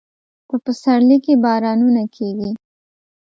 په پسرلي کې بارانونه کیږي